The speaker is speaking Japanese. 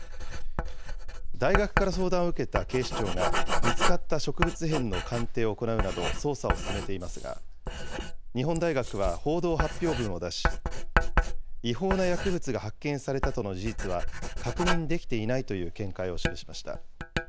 大学から相談を受けた警視庁が、見つかった植物片の鑑定を行うなど捜査を進めていますが、日本大学は報道発表文を出し、違法な薬物が発見されたとの事実は確認できていないという見解を示しました。